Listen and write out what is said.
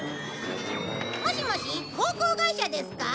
もしもし航空会社ですか？